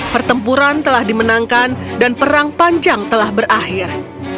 pertempuran telah dimenangkan dan perang panjang telah berakhir